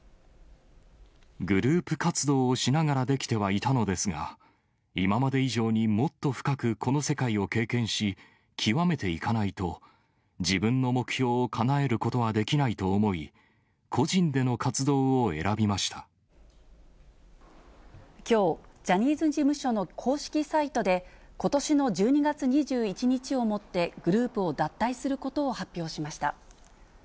グループ活動をしながらできてはいたのですが、今まで以上にもっと深くこの世界を経験し、極めていかないと、自分の目標をかなえることはできないと思い、きょう、ジャニーズ事務所の公式サイトで、ことしの１２月２１日をもって、グループを脱退することを発表しました。